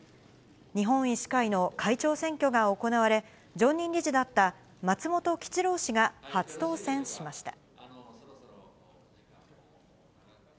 日本医師会の会長選挙が行われ、常任理事だった松本吉郎氏が初当選しました。